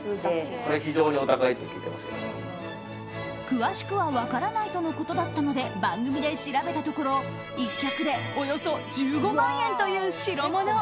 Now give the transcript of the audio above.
詳しくは分からないとのことだったので番組で調べたところ１脚でおよそ１５万円という代物。